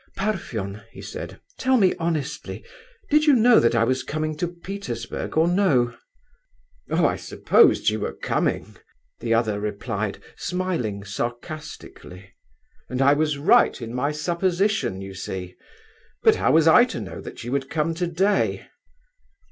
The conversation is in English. "Parfen," he said, "tell me honestly, did you know that I was coming to Petersburg or no?" "Oh, I supposed you were coming," the other replied, smiling sarcastically, "and I was right in my supposition, you see; but how was I to know that you would come _today?